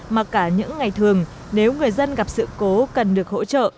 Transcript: mà cả những ngày thường nếu người dân gặp sự cố cần được hỗ trợ